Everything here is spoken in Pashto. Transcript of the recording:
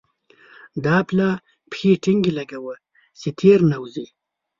دا پلا پښې ټينګې لګوه چې تېر نه وزې.